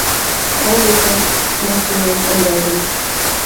All requests must be made in writing.